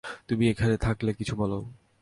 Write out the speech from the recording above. তুমি এখানে থাকলে কিছু বলো।